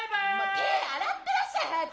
手洗ってらっしゃい早く！